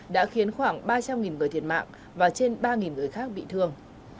đã khiến khoảng ba trăm linh người thiệt mạng và trên ba người khác bị thương